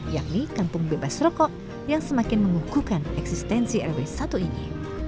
yakni kampung bebas rokok yang semakin mengukuhkan eksistensi rw satu ini